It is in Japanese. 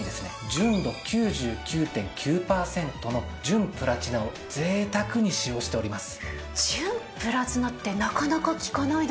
純度９９．９パーセントの純プラチナをぜいたくに使用しております。